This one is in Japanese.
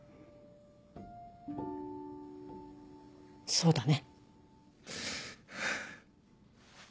そうだね。